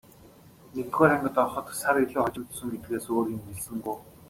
Нэгдүгээр ангид ороход сар илүү хожимдсон гэдгээс өөр юм хэлсэнгүй.